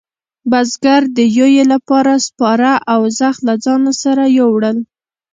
بزگر د یویې لپاره سپاره او زخ له ځانه سره وېوړل.